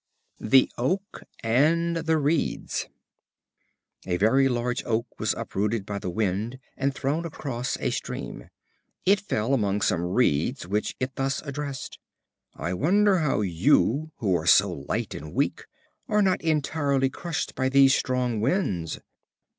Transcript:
The Oak and the Reeds. A very large Oak was uprooted by the wind, and thrown across a stream. It fell among some Reeds, which it thus addressed: "I wonder how you, who are so light and weak, are not entirely crushed by these strong winds."